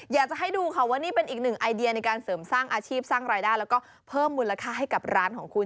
อยากจะให้ดูค่ะว่านี่เป็นอีกหนึ่งไอเดียในการเสริมสร้างอาชีพสร้างรายได้แล้วก็เพิ่มมูลค่าให้กับร้านของคุณ